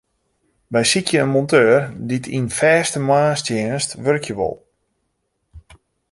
Wy sykje in monteur dy't yn fêste moarnstsjinst wurkje wol.